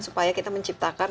supaya kita menciptakan